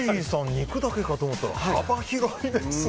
肉だけかと思ったら幅広いですね。